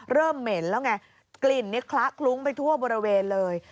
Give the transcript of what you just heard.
เหม็นแล้วไงกลิ่นนี้คละคลุ้งไปทั่วบริเวณเลย